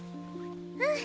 うん！